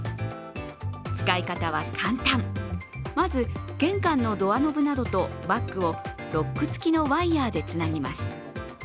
使い方は簡単、まず玄関のドアノブなどとバッグをロックつきのワイヤーでつなぎます。